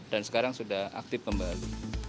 dan sekarang sudah aktif kembali